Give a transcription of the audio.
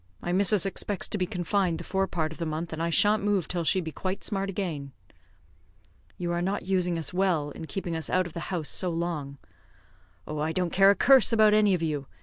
My missus expects to be confined the fore part of the month, and I shan't move till she be quite smart agin." "You are not using us well, in keeping us out of the house so long." "Oh, I don't care a curse about any of you.